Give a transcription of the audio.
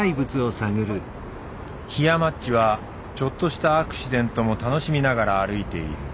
ひやまっちはちょっとしたアクシデントも楽しみながら歩いている。